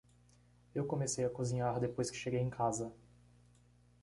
Eu comecei a cozinhar depois que cheguei em casa.